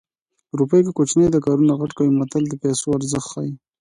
روپۍ که کوچنۍ ده کارونه غټ کوي متل د پیسو ارزښت ښيي